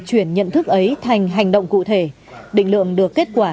chuyển nhận thức ấy thành hành động cụ thể định lượng được kết quả